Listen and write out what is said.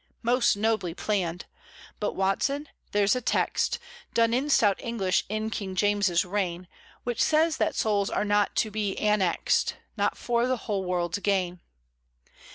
Most nobly planned! But, Watson, there's a text Done in stout English in King James's reign Which says that souls are not to be annexed, Not for the whole world's gain.